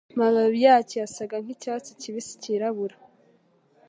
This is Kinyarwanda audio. Amababi yacyo yasaga nkicyatsi kibisi cyirabura